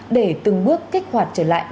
để từng bước kích hoạt trở lại